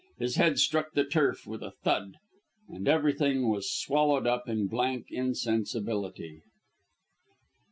His head struck the turf with a thud, and everything was swallowed up in blank insensibility.